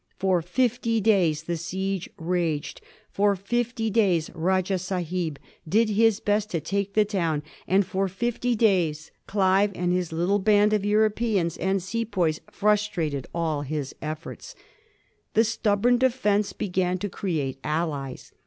For fifty days the siege raged. For fifty days Rajah Sahib did his best to take the town, and for fifty days Clive and his little band of Europeans and Sepoys frustrated all his efforts. The stubborn defence began to create allies.